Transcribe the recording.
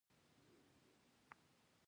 هغه نرسې ته لازمې لارښوونې وکړې